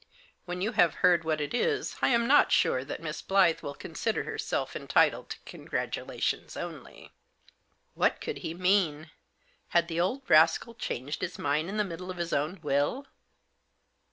When you have heard what it is I am not sure that Miss Blyth will consider herself entitled to congra tulations only." What could he mean ? Had the old rascal changed his mind in the middle of his own will